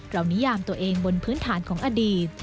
นิยามตัวเองบนพื้นฐานของอดีต